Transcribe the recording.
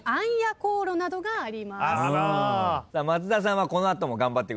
松田さんはこの後も頑張ってください。